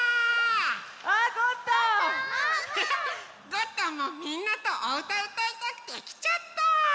ゴットンもみんなとおうたうたいたくてきちゃった！